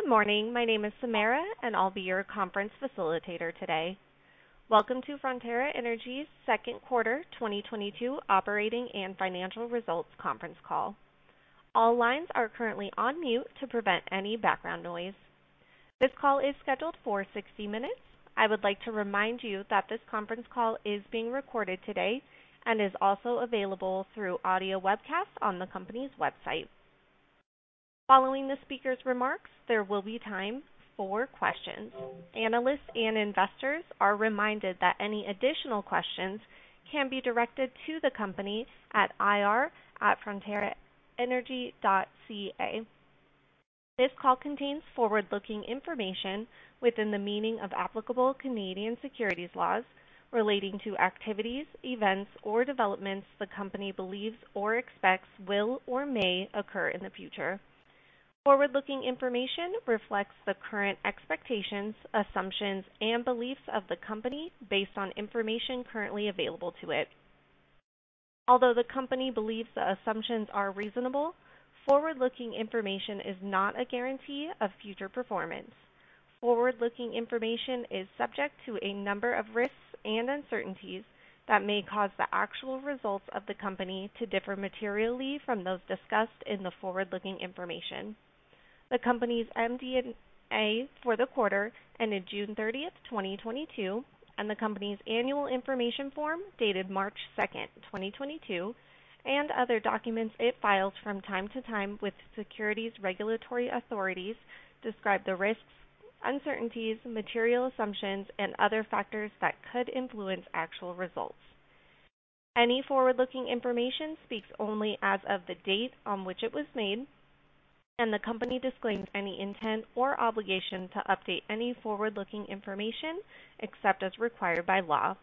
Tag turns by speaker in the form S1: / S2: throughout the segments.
S1: Good morning. My name is Samara, and I'll be your conference facilitator today. Welcome to Frontera Energy's second quarter 2022 operating and financial results conference call. All lines are currently on mute to prevent any background noise. This call is scheduled for 60 minutes. I would like to remind you that this conference call is being recorded today and is also available through audio webcast on the company's website. Following the speaker's remarks, there will be time for questions. Analysts and investors are reminded that any additional questions can be directed to the company at ir@fronteraenergy.ca. This call contains forward-looking information within the meaning of applicable Canadian securities laws relating to activities, events or developments the company believes or expects will or may occur in the future. Forward-looking information reflects the current expectations, assumptions and beliefs of the company based on information currently available to it. Although the company believes the assumptions are reasonable, forward-looking information is not a guarantee of future performance. Forward-looking information is subject to a number of risks and uncertainties that may cause the actual results of the company to differ materially from those discussed in the forward-looking information. The company's MD&A for the quarter ended June 30th, 2022, and the company's annual information form dated March 2nd, 2022, and other documents it files from time to time with securities regulatory authorities describe the risks, uncertainties, material assumptions and other factors that could influence actual results. Any forward-looking information speaks only as of the date on which it was made, and the company disclaims any intent or obligation to update any forward-looking information except as required by law.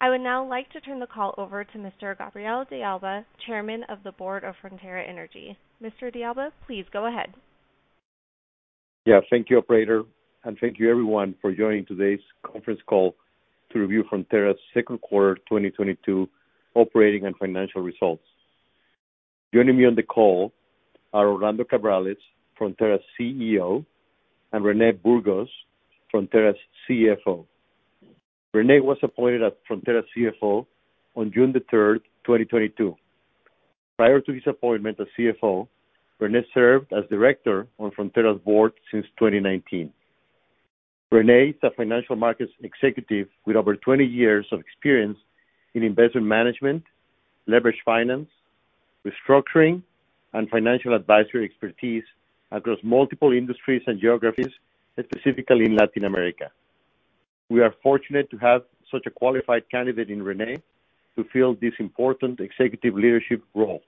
S1: I would now like to turn the call over to Mr. Gabriel de Alba, Chairman of the Board of Frontera Energy. Mr. de Alba, please go ahead.
S2: Yeah, thank you, operator. Thank you everyone for joining today's conference call to review Frontera's second quarter 2022 operating and financial results. Joining me on the call are Orlando Cabrales, Frontera's CEO, and René Burgos, Frontera's CFO. René was appointed as Frontera's CFO on June 3rd, 2022. Prior to his appointment as CFO, René served as director on Frontera's board since 2019. René is a financial markets executive with over 20 years of experience in investment management, leveraged finance, restructuring, and financial advisory expertise across multiple industries and geographies, specifically in Latin America. We are fortunate to have such a qualified candidate in René to fill this important executive leadership role.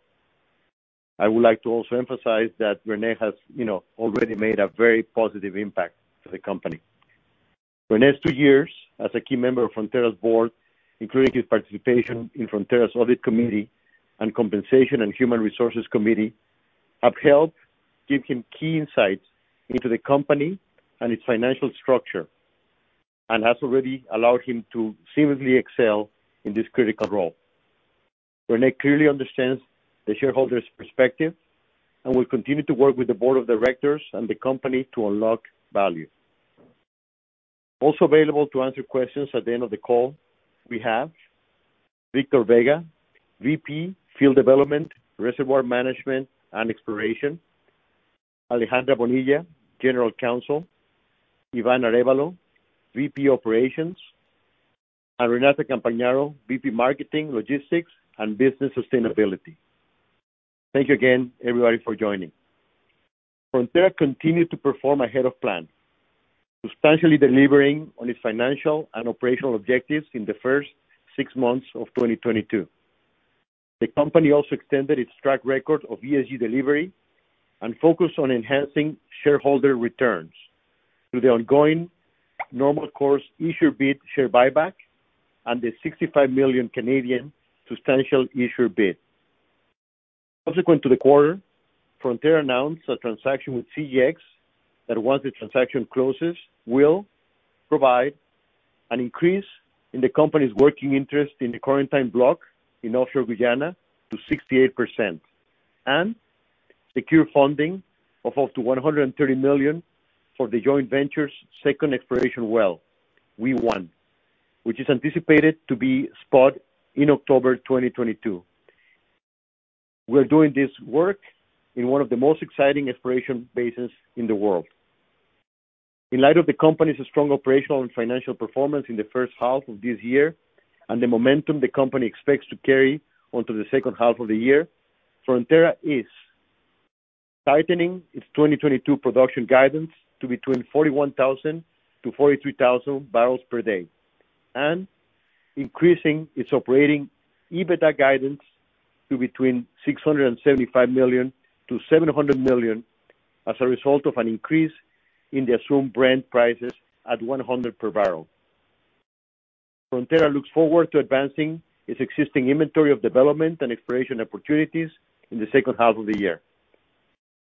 S2: I would like to also emphasize that René has, you know, already made a very positive impact to the company. René's two years as a key member of Frontera's board, including his participation in Frontera's Audit Committee and Compensation and Human Resources Committee, have helped give him key insights into the company and its financial structure and has already allowed him to seriously excel in this critical role. René clearly understands the shareholders' perspective and will continue to work with the board of directors and the company to unlock value. Also available to answer questions at the end of the call, we have Victor Vega, VP, Field Development, Reservoir Management and Exploration. Alejandra Bonilla, General Counsel. Iván Arévalo, VP, Operations. And Renata Campagnaro, VP, Marketing, Logistics and Business Sustainability. Thank you again everybody for joining. Frontera continued to perform ahead of plan, substantially delivering on its financial and operational objectives in the first six months of 2022. The company also extended its track record of ESG delivery and focused on enhancing shareholder returns through the ongoing normal course issuer bid share buyback and the 65 million substantial issuer bid. Subsequent to the quarter, Frontera announced a transaction with CGX Energy that once the transaction closes, will provide an increase in the company's working interest in the Corentyne block in offshore Guyana to 68% and secure funding of up to $130 million for the joint venture's second exploration well, Wei-1, which is anticipated to be spud in October 2022. We're doing this work in one of the most exciting exploration basins in the world. In light of the company's strong operational and financial performance in the H1 of this year and the momentum the company expects to carry on to the H2 of the year, Frontera is tightening its 2022 production guidance to between 41,000 barrels-43,000 barrels per day. Increasing its operating EBITDA guidance to between $675 million-$700 million as a result of an increase in the assumed Brent prices at $100 per barrel. Frontera looks forward to advancing its existing inventory of development and exploration opportunities in the H2 of the year.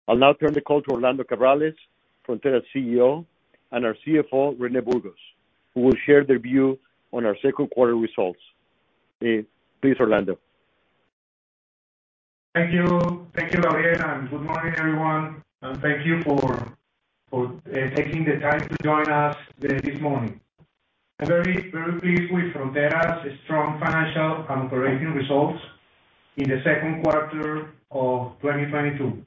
S2: I'll now turn the call to Orlando Cabrales, Frontera's CEO, and our CFO, René Burgos, who will share their view on our second quarter results. Please, Orlando.
S3: Thank you. Thank you, Lauren, and good morning, everyone, and thank you for taking the time to join us this morning. I'm very pleased with Frontera's strong financial and operating results in the second quarter of 2022.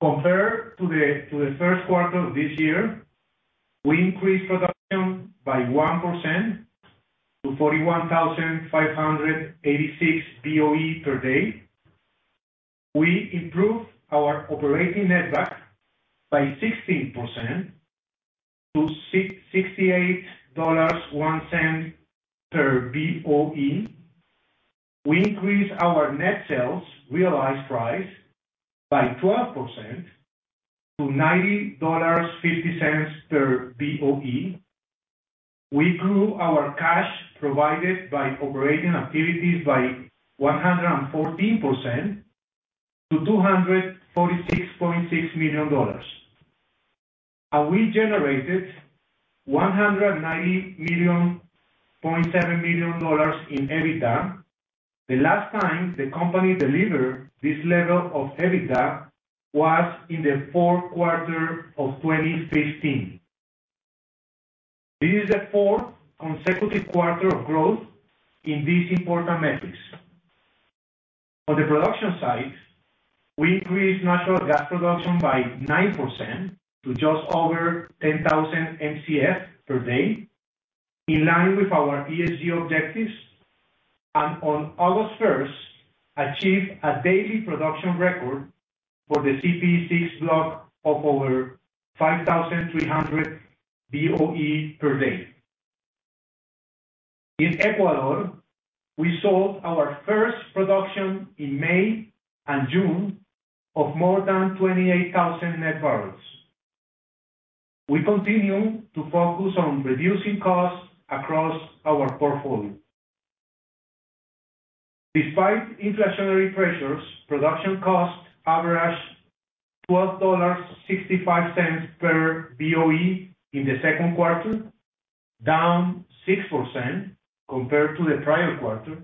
S3: Compared to the first quarter of this year, we increased production by 1% to 41,586 BOE per day. We improved our operating netback by 16% to $68.01 per BOE. We increased our net sales realized price by 12% to $90.50 per BOE. We grew our cash provided by operating activities by 114% to $246.6 million. We generated $190.7 million in EBITDA. The last time the company delivered this level of EBITDA was in the fourth quarter of 2015. This is the fourth consecutive quarter of growth in these important metrics. On the production side, we increased natural gas production by 9% to just over 10,000 Mcf per day, in line with our ESG objectives. On August first, achieved a daily production record for the CPE-6 block of over 5,300 BOE per day. In Ecuador, we saw our first production in May and June of more than 28,000 net barrels. We continue to focus on reducing costs across our portfolio. Despite inflationary pressures, production costs averaged $12.65 per BOE in the second quarter, down 6% compared to the prior quarter.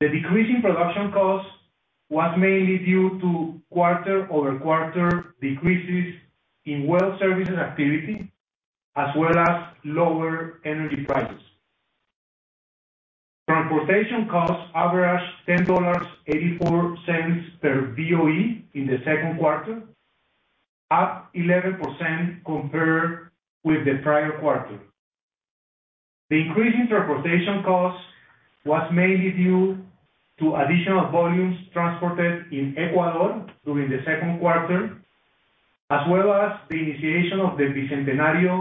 S3: The decrease in production cost was mainly due to quarter-over-quarter decreases in well-service activity, as well as lower energy prices. Transportation costs averaged $10.84 per BOE in the second quarter, up 11% compared with the prior quarter. The increase in transportation costs was mainly due to additional volumes transported in Ecuador during the second quarter, as well as the initiation of the Bicentenario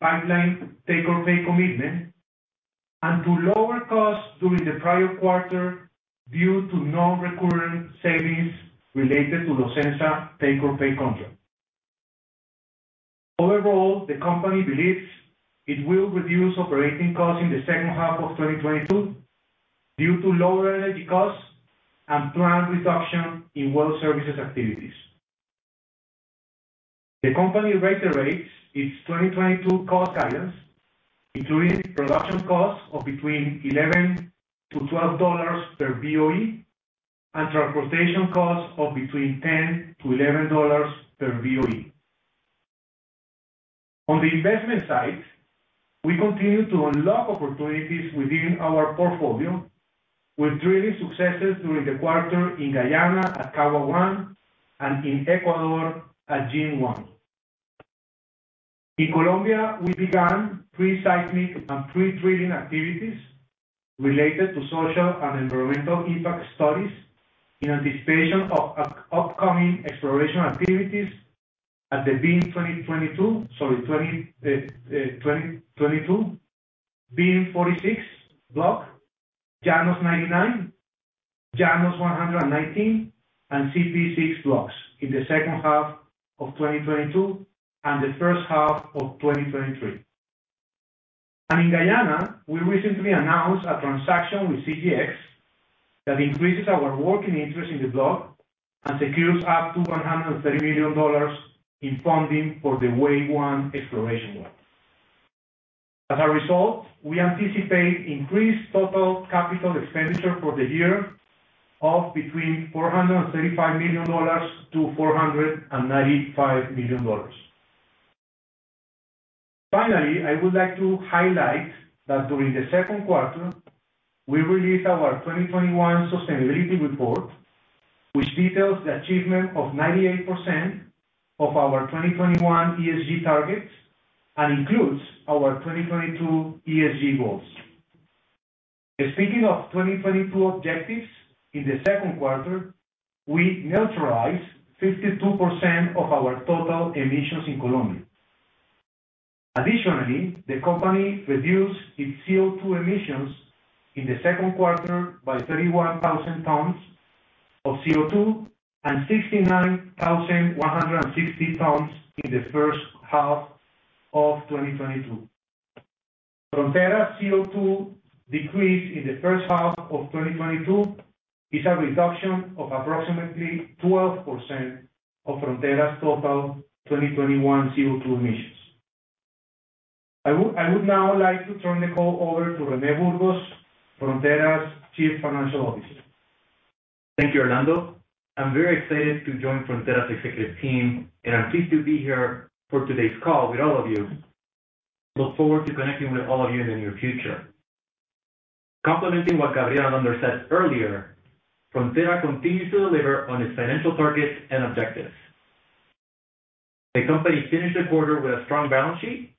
S3: pipeline take-or-pay commitment and to lower costs during the prior quarter due to non-recurring savings related to Ocensa take-or-pay contract. Overall, the company believes it will reduce operating costs in the H2 of 2022 due to lower energy costs and planned reduction in well services activities. The company reiterates its 2022 cost guidance, including production costs of between $11-$12 per BOE, and transportation costs of between $10-$11 per BOE. On the investment side, we continue to unlock opportunities within our portfolio with drilling successes during the quarter in Guyana at Kawa-1 and in Ecuador at Jandaya-1. In Colombia, we began pre-seismic and pre-drilling activities related to social and environmental impact studies in anticipation of upcoming exploration activities at the VIM-46 block, Llanos-99, Llanos-119, and CPE-6 blocks in the H2 of 2022 and the H1 of 2023. In Guyana, we recently announced a transaction with CGX that increases our working interest in the block and secures up to $130 million in funding for the Wei-1 exploration well. As a result, we anticipate increased total capital expenditure for the year of between $435 million-$495 million. Finally, I would like to highlight that during the second quarter, we released our 2021 sustainability report, which details the achievement of 98% of our 2021 ESG targets and includes our 2022 ESG goals. Speaking of 2022 objectives, in the second quarter, we neutralized 52% of our total emissions in Colombia. Additionally, the company reduced its CO₂ emissions in the second quarter by 31,000 tons of CO₂, and 69,160 tons in the H1 of 2022. Frontera's CO₂ decrease in the H1 of 2022 is a reduction of approximately 12% of Frontera's total 2021 CO₂ emissions. I would now like to turn the call over to René Burgos, Frontera's Chief Financial Officer.
S4: Thank you, Orlando. I'm very excited to join Frontera's executive team, and I'm pleased to be here for today's call with all of you. Look forward to connecting with all of you in the near future. Complementing what Gabriel and Orlando said earlier, Frontera continues to deliver on its financial targets and objectives. The company finished the quarter with a strong balance sheet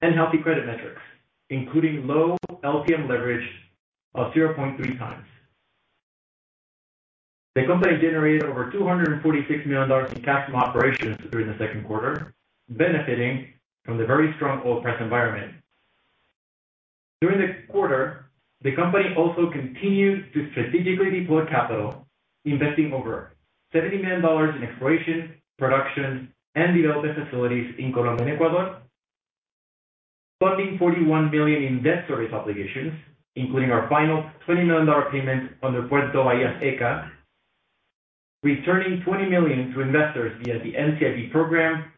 S4: and healthy credit metrics, including low LTM leverage of 0.3 times. The company generated over $246 million in cash from operations during the second quarter, benefiting from the very strong oil price environment. During the quarter, the company also continued to strategically deploy capital, investing over $70 million in exploration, production and development facilities in Colombia and Ecuador. Funding $41 million in debt service obligations, including our final $20 million payment under Puerto Bahía, returning $20 million to investors via the NCIB program,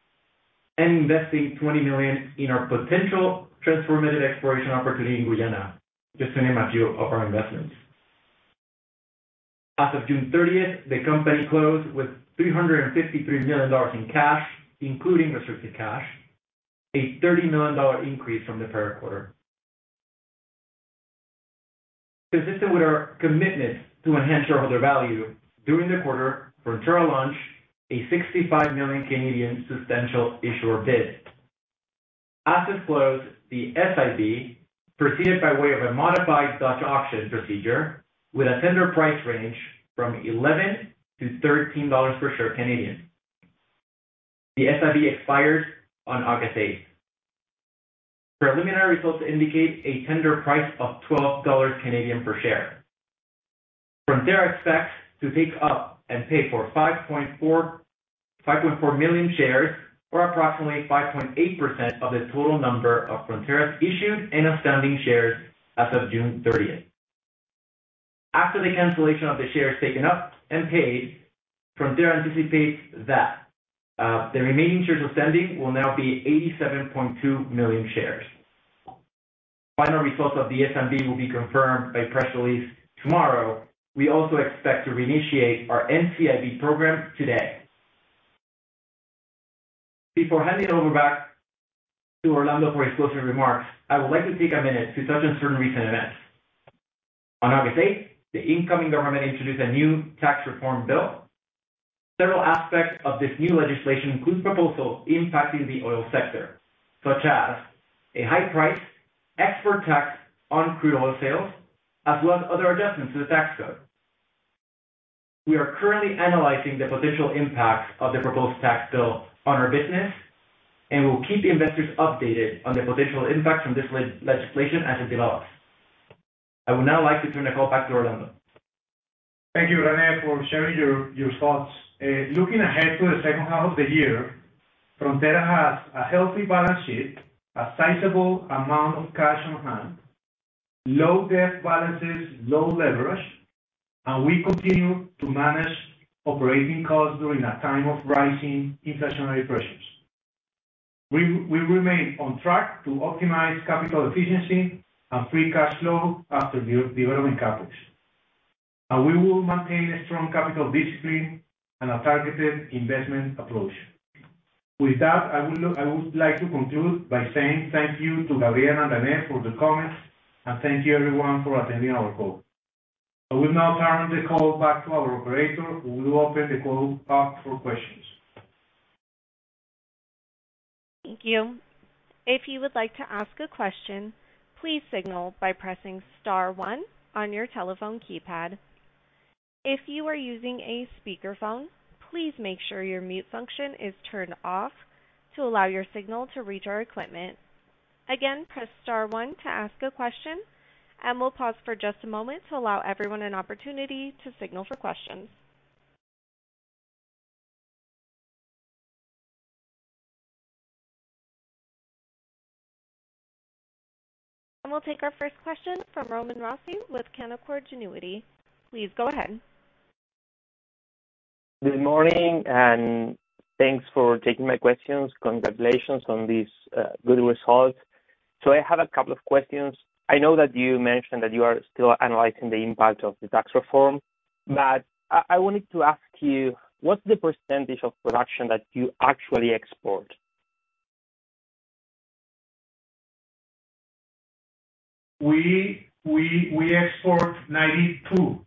S4: and investing $20 million in our potential transformative exploration opportunity in Guyana, just to name a few of our investments. As of June 30, the company closed with $353 million in cash, including restricted cash, a $30 million increase from the prior quarter. Consistent with our commitment to enhance shareholder value, during the quarter, Frontera launched a 65 million substantial issuer bid. We closed the SIB, proceeded by way of a modified Dutch auction procedure with a tender price range from 11-13 dollars per share. The SIB expires on August 8. Preliminary results indicate a tender price of 12 Canadian dollars per share. Frontera expects to take up and pay for 5.4 million shares or approximately 5.8% of the total number of Frontera's issued and outstanding shares as of June 30th. After the cancellation of the shares taken up and paid, Frontera anticipates that the remaining shares outstanding will now be 87.2 million shares. Final results of the SIB will be confirmed by press release tomorrow. We also expect to reinitiate our NCIB program today. Before handing over back to Orlando for his closing remarks, I would like to take a minute to touch on certain recent events. On August 8th, the incoming government introduced a new tax reform bill. Several aspects of this new legislation includes proposals impacting the oil sector, such as a high-price export tax on crude oil sales, as well as other adjustments to the tax code. We are currently analyzing the potential impacts of the proposed tax bill on our business, and we'll keep investors updated on the potential impacts from this legislation as it develops. I would now like to turn the call back to Orlando.
S3: Thank you, René, for sharing your thoughts. Looking ahead to the H2 of the year, Frontera has a healthy balance sheet, a sizable amount of cash on hand, low debt balances, low leverage, and we continue to manage operating costs during a time of rising inflationary pressures. We remain on track to optimize capital efficiency and free cash flow after development CapEx. We will maintain a strong capital discipline and a targeted investment approach. With that, I would like to conclude by saying thank you to Gabriel and René for the comments, and thank you everyone for attending our call. I will now turn the call back to our operator, who will open the call up for questions.
S1: Thank you. If you would like to ask a question, please signal by pressing star one on your telephone keypad. If you are using a speakerphone, please make sure your mute function is turned off to allow your signal to reach our equipment. Again, press star one to ask a question, and we'll pause for just a moment to allow everyone an opportunity to signal for questions. We'll take our first question from Roman Rossi with Canaccord Genuity. Please go ahead.
S5: Good morning, and thanks for taking my questions. Congratulations on these good results. I have a couple of questions. I know that you mentioned that you are still analyzing the impact of the tax reform, but I wanted to ask you, what's the percentage of production that you actually export?
S3: We export 92%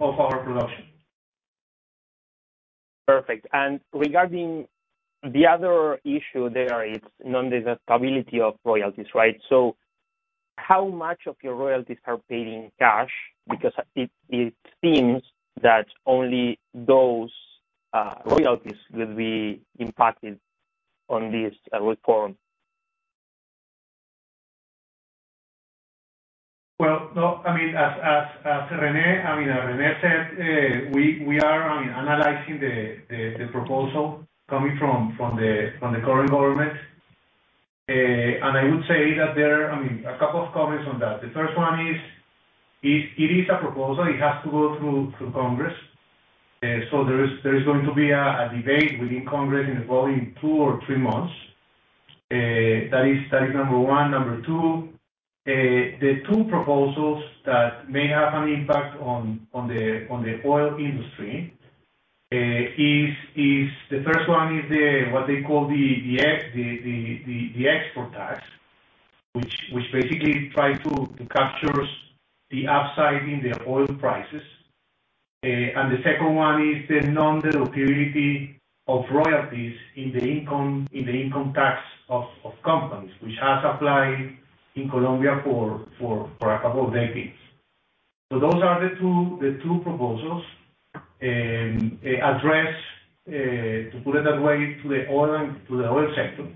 S3: of our production.
S5: Perfect. Regarding the other issue there is non-deductibility of royalties, right? So how much of your royalties are paid in cash? Because it seems that only those royalties will be impacted on this reform.
S3: No, I mean, as René said, we are analyzing the proposal coming from the current government. I would say that there are, I mean, a couple of comments on that. The first one is it is a proposal. It has to go through to Congress. There is going to be a debate within Congress in probably two or three months. That is stage number one. Number two, the two proposals that may have an impact on the oil industry is the first one is the what they call the export tax, which basically try to captures the upside in the oil prices. The second one is the non-deductibility of royalties in the income tax of companies which has applied in Colombia for a couple of decades. Those are the two proposals addressed, to put it that way, to the oil sector.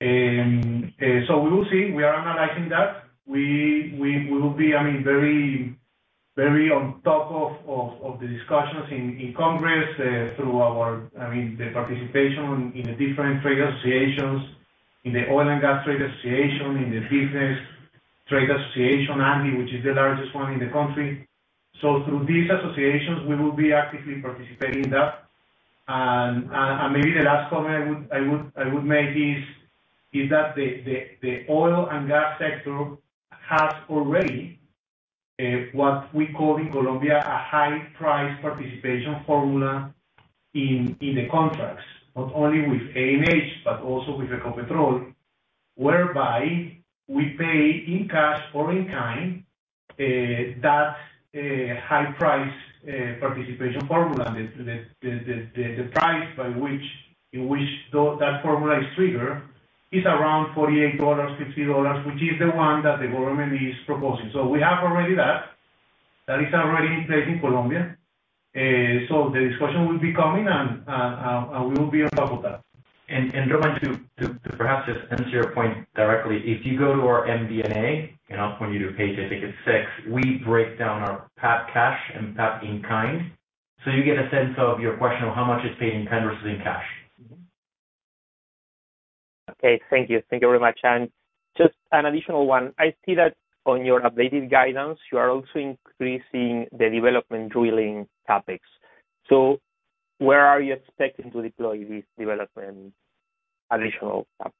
S3: We will see. We are analyzing that. We will be, I mean, very on top of the discussions in Congress through our, I mean, the participation in the different trade associations, in the Oil and Gas Trade Association, in the Business Trade Association, ANDI, which is the largest one in the country. Through these associations, we will be actively participating in that. Maybe the last comment I would make is that the oil and gas sector has already what we call in Colombia a high price participation formula in the contracts not only with ANH but also with Ecopetrol whereby we pay in cash or in kind that high price participation formula. The price by which that formula is triggered is around $48-$50 which is the one that the government is proposing. We have already that. That is already in place in Colombia. The discussion will be coming and we will be on top of that.
S4: Roman Rossi, to perhaps just answer your point directly, if you go to our MD&A, and I'll point you to page, I think it's 6, we break down our royalties cash and royalties in-kind. You get a sense of your question of how much is paid in kind versus in cash.
S3: Mm-hmm.
S5: Okay. Thank you. Thank you very much. Just an additional one. I see that on your updated guidance, you are also increasing the development drilling CapEx. Where are you expecting to deploy these development additional CapEx?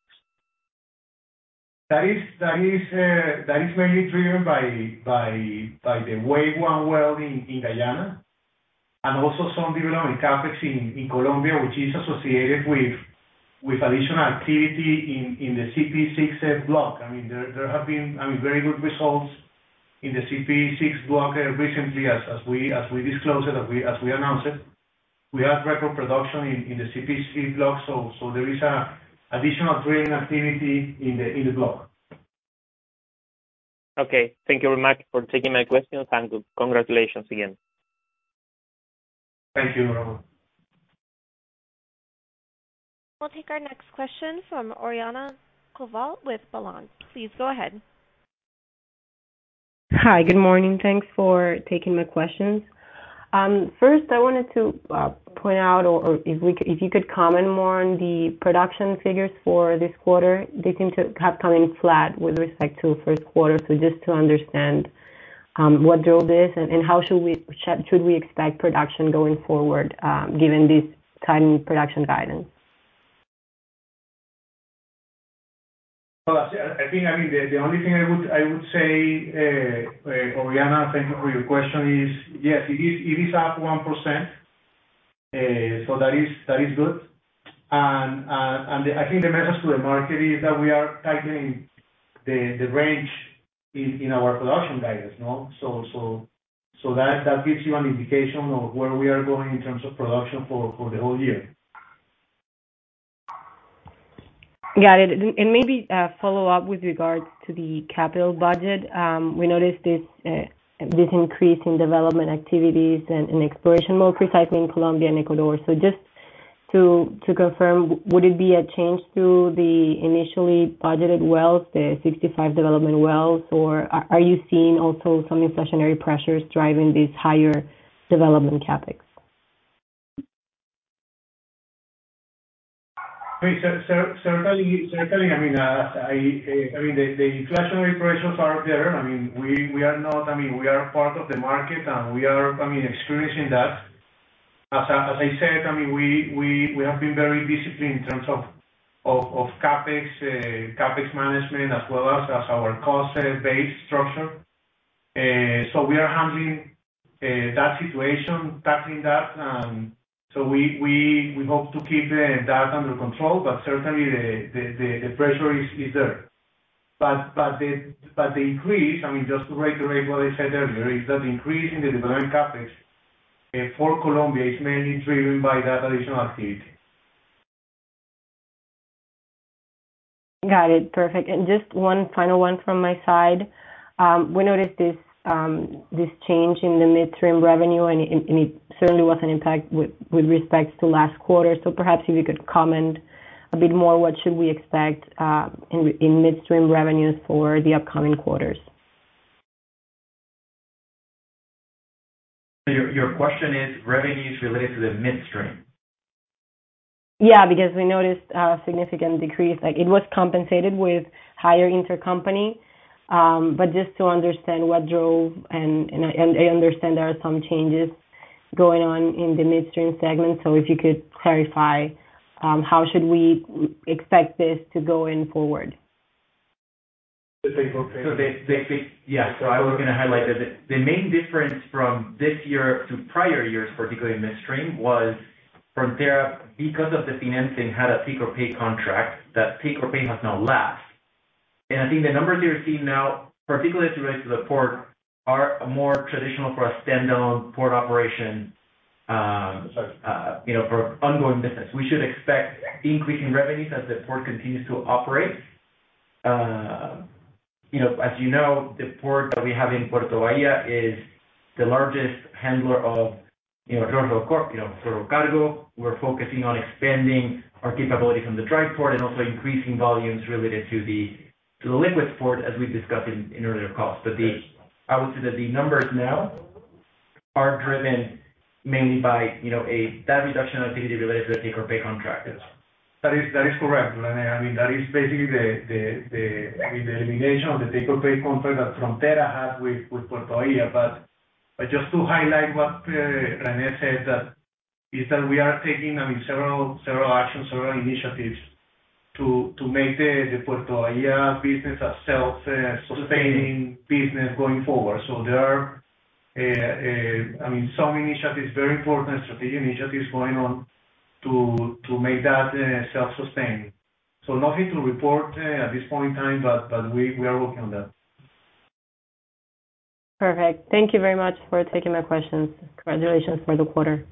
S3: That is mainly driven by the Wave-One well in Guyana, and also some development CapEx in Colombia, which is associated with additional activity in the CPE-6 block. I mean, there have been very good results in the CPE-6 block recently as we disclosed it, as we announced it. We have record production in the CPE-6 block. There is a additional drilling activity in the block.
S5: Okay. Thank you very much for taking my questions. Congratulations again.
S3: Thank you.
S1: We'll take our next question from Oriana Covault with Balanz Capital. Please go ahead.
S6: Hi. Good morning. Thanks for taking my questions. First, I wanted to point out or if you could comment more on the production figures for this quarter. They seem to have come in flat with respect to first quarter. Just to understand, what drove this and how should we expect production going forward, given this timing production guidance.
S3: Well, I think, I mean, the only thing I would say, Oriana, thank you for your question, is yes, it is up 1%. So that is good. I think the message to the market is that we are tightening the range in our production guidance, no? That gives you an indication of where we are going in terms of production for the whole year.
S6: Got it. Maybe follow up with regards to the capital budget. We noticed this increase in development activities and in exploration, more precisely in Colombia and Ecuador. Just to confirm, would it be a change to the initially budgeted wells, the 65 development wells, or are you seeing also some inflationary pressures driving these higher development CapEx?
S3: Certainly, I mean, the inflationary pressures are there. I mean, we are part of the market, and we are experiencing that. As I said, I mean, we have been very disciplined in terms of CapEx management as well as our cost base structure. We are handling that situation, tackling that. We hope to keep that under control, but certainly the pressure is there. The increase, I mean, just to reiterate what I said earlier, is that increase in the development CapEx for Colombia is mainly driven by that additional activity.
S6: Got it. Perfect. Just one final one from my side. We noticed this change in the midstream revenue, and it certainly was an impact with respect to last quarter. Perhaps if you could comment a bit more, what should we expect in midstream revenues for the upcoming quarters?
S4: Your question is revenues related to the midstream?
S6: Yeah, because we noticed a significant decrease. Like it was compensated with higher intercompany. Just to understand what drove and I understand there are some changes going on in the midstream segment. If you could clarify, how should we expect this to go going forward?
S3: The take-or-pay.
S4: I was gonna highlight that the main difference from this year to prior years, particularly in midstream, was Frontera because of the financing had a take-or-pay contract. That take-or-pay has now left. I think the numbers you're seeing now, particularly as it relates to the port, are more traditional for a standalone port operation, you know, for ongoing business. We should expect increasing revenues as the port continues to operate. You know, as you know, the port that we have in Puerto Bahía is the largest handler of, you know, truckload cargo. We're focusing on expanding our capability from the dry port and also increasing volumes related to the liquid port as we discussed in earlier calls. I would say that the numbers now are driven mainly by, you know, that reduction activity related to the take or pay contract.
S3: That is correct. I mean, that is basically the elimination of the take-or-pay contract that Frontera had with Puerto Bahía. Just to highlight what René said, that is that we are taking, I mean, several actions, several initiatives to make the Puerto Bahía business a self-sustaining business going forward. There are, I mean, some initiatives, very important strategic initiatives going on to make that self-sustaining. Nothing to report at this point in time, but we are working on that.
S6: Perfect. Thank you very much for taking my questions. Congratulations for the quarter.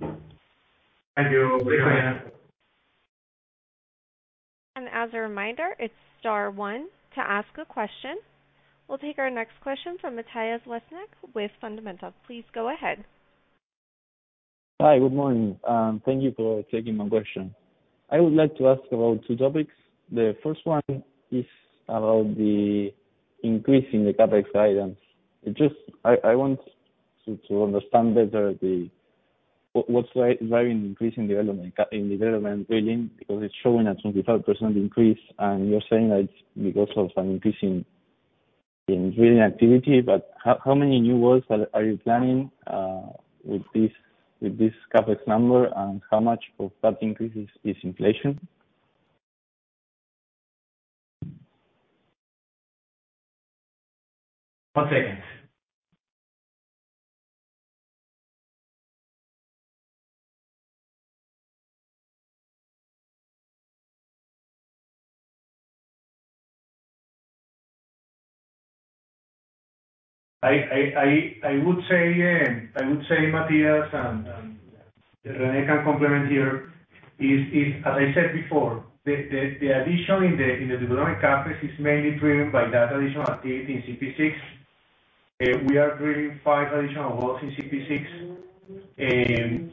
S3: Thank you.
S4: Thank you.
S1: As a reminder, it's star one to ask a question. We'll take our next question from Matias Lesnik with Fundamental. Please go ahead.
S7: Hi. Good morning, and thank you for taking my question. I would like to ask about two topics. The first one is about the increase in the CapEx guidance. Just, I want to understand better what's driving the increase in development spending because it's showing a 25% increase, and you're saying that it's because of an increase in drilling activity. How many new wells are you planning with this CapEx number, and how much of that increase is inflation?
S3: I would say, Matias, and René can complement here, is as I said before, the addition in the development CapEx is mainly driven by that additional activity in CPE-6. We are drilling five additional wells in CPE-6. In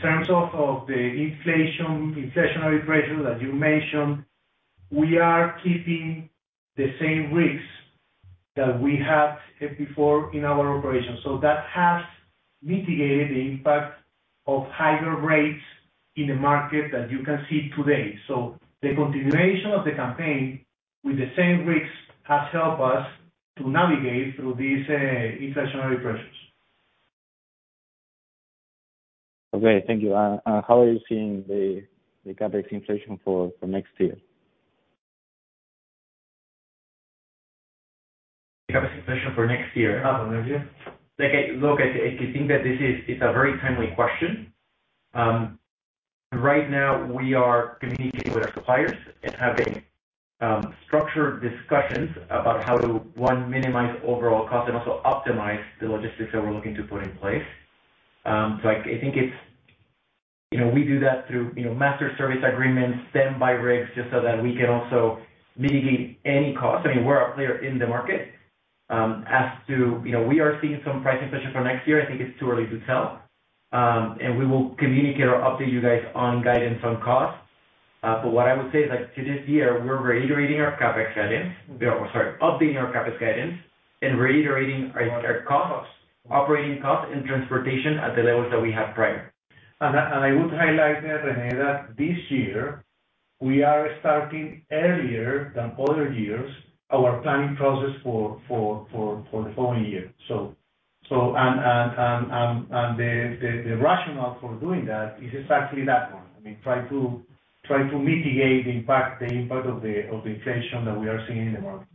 S3: terms of the inflationary pressure that you mentioned, we are keeping the same rigs that we had before in our operations. That has mitigated the impact of higher rates in the market that you can see today. The continuation of the campaign with the same rigs has helped us to navigate through these inflationary pressures.
S7: Okay. Thank you. How are you seeing the CapEx inflation for next year?
S4: CapEx inflation for next year. Orlando, would you? Look, I think that this is, it's a very timely question. Right now we are communicating with our suppliers and having structured discussions about how to, one, minimize overall cost and also optimize the logistics that we're looking to put in place. So I think it's. You know, we do that through, you know, master service agreements, standby rigs, just so that we can also mitigate any cost. I mean, we're a player in the market. As to, you know, we are seeing some price inflation for next year. I think it's too early to tell. We will communicate or update you guys on guidance on costs. But what I would say is like to this year we're reiterating our CapEx guidance. We are... Sorry, updating our CapEx guidance and reiterating our operating costs and transportation at the levels that we had prior.
S3: I would highlight, René, that this year we are starting earlier than other years our planning process for the following year. The rationale for doing that is exactly that one. I mean, try to mitigate the impact of the inflation that we are seeing in the market.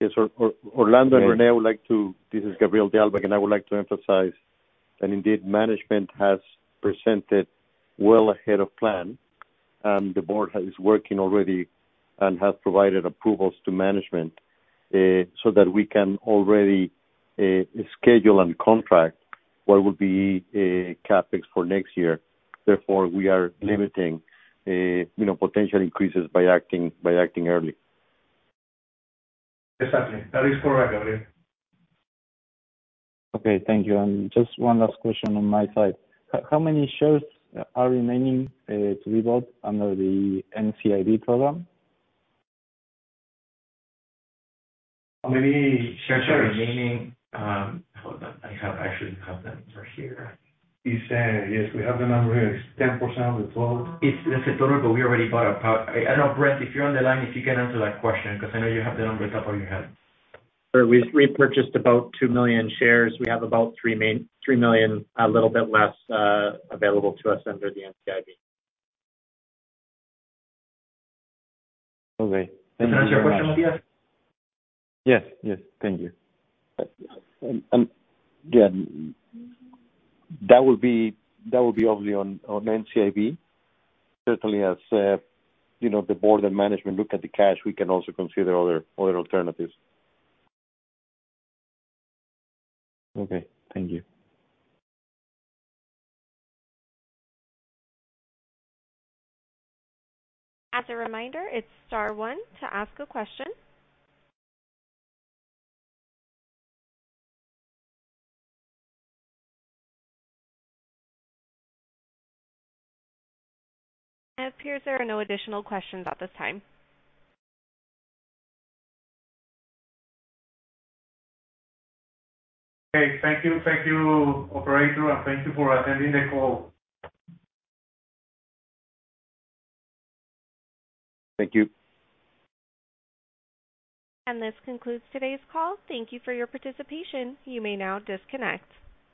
S2: Yes. Orlando and René, this is Gabriel de Alba, and I would like to emphasize that indeed management has presented well ahead of plan, and the board is working already and has provided approvals to management, so that we can already schedule and contract what will be CapEx for next year. Therefore, we are limiting, you know, potential increases by acting early.
S3: Exactly. That is correct, Gabriel.
S7: Okay. Thank you. Just one last question on my side. How many shares are remaining to be bought under the NCIB program?
S4: How many shares are remaining? Hold on. I actually have the numbers here.
S3: He's saying, yes, we have the number here. It's 10% of the total.
S4: It's the total, but we already bought about. I don't know. Brent, if you're on the line, if you can answer that question, because I know you have the number off the top of your head.
S8: Sure. We've repurchased about 2 million shares. We have about 3 million, a little bit less, available to us under the NCIB.
S7: Okay. Thank you very much.
S3: Is that your question, Matias?
S7: Yes. Yes. Thank you.
S2: Yeah, that will be obviously on NCIB. Certainly as you know, the board and management look at the cash, we can also consider other alternatives.
S7: Okay. Thank you.
S1: As a reminder, it's star one to ask a question. It appears there are no additional questions at this time.
S3: Okay. Thank you. Thank you, operator, and thank you for attending the call.
S2: Thank you.
S1: This concludes today's call. Thank you for your participation. You may now disconnect.